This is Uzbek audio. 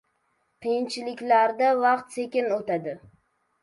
• Qiyinchilikda vaqt sekin o‘tadi.